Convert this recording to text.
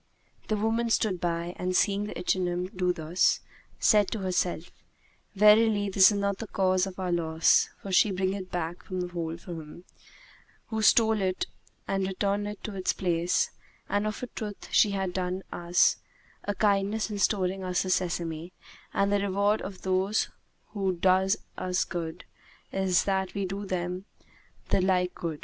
The woman stood by and, seeing the ichneumon do thus, said to herself, "Verily this is not the cause of our loss, for she bringeth it back from the hole of him who stole it and returneth it to its place; and of a truth she hath done us a kindness in restoring us the sesame, and the reward of those who do us good is that we do them the like good.